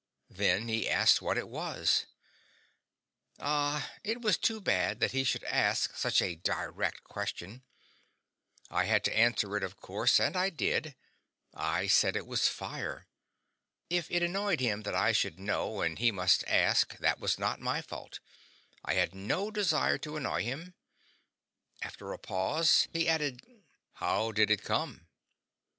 Then he asked what it was. Ah, it was too bad that he should ask such a direct question. I had to answer it, of course, and I did. I said it was fire. If it annoyed him that I should know and he must ask; that was not my fault; I had no desire to annoy him. After a pause he asked: "How did it come?"